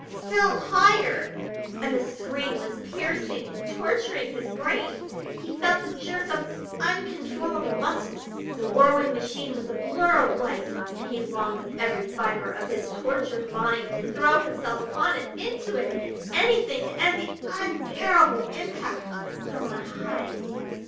Still higher! and the scream was piercing and torturing his brain. He felt the jerk of uncontrollable muscles. The whirling machine was a blur of light, and he longed with every fibre of his tortured mind to throw himself upon it into it! anything to end the unbearable impact from on high.